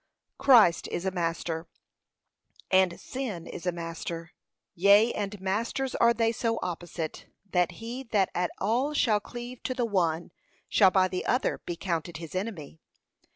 Christ is a master, and sin is a master; yea, and masters are they so opposite, that he that at all shall cleave to the one shall by the other be counted his enemy.